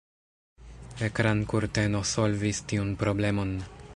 Ekrankurteno solvis tiun problemon.